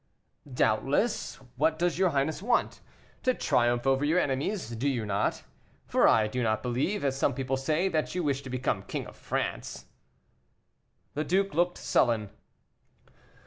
"Doubtless: what does your highness want? To triumph over your enemies, do you not? For I do not believe, as some people say, that you wish to become King of France." The duke looked sullen.